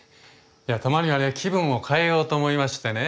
いやたまにはね気分を変えようと思いましてね。